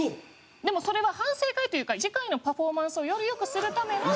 でもそれは反省会というか次回のパフォーマンスをより良くするための。